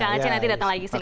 kak aci nanti datang lagi sini